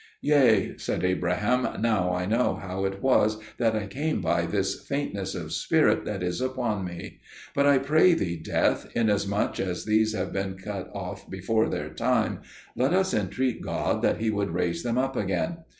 "Yea," said Abraham, "now I know how it was that I came by this faintness of spirit that is upon me; but I pray thee, Death, inasmuch as these have been cut off before their time, let us entreat God that he would raise them up again."